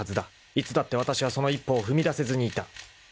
［いつだってわたしはその一歩を踏み出せずにいた］